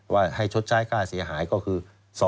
ว่าให้ชดใช้ค่าเสียหายก็คือ